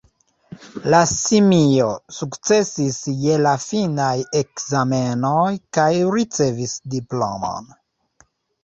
La simio sukcesis je la finaj ekzamenoj, kaj ricevis diplomon.